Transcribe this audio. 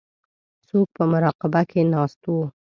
څوک په مراقبه کې ناست وو.